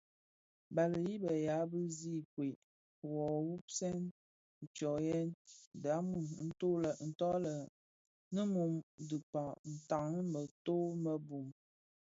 Bali i be yea bi zinkwed yo wuwubsèn tsomyè dhamum nto lè nimum dhi kpag tan a mëto më bum.